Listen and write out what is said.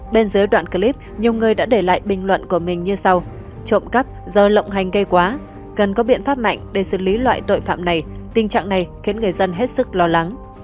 bên dưới đoạn clip nhiều người đã để lại bình luận của mình như sau trộm cắp rồi lộng hành gây quá cần có biện pháp mạnh để xử lý loại tội phạm này tình trạng này khiến người dân hết sức lo lắng